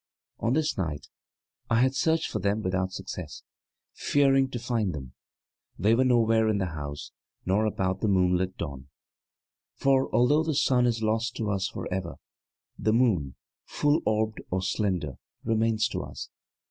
< 9 > On this night I had searched for them without success, fearing to find them; they were nowhere in the house, nor about the moonlit dawn. For, although the sun is lost to us for ever, the moon, full orbed or slender, remains to us.